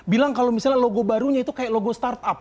bilang kalau misalnya logo barunya itu kayak logo startup